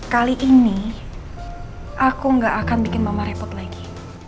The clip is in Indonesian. kali ini aku gak akan bikin mama repot lagi